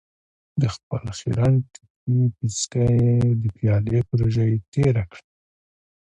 د خپل خيرن ټکري پيڅکه يې د پيالې پر ژۍ تېره کړه.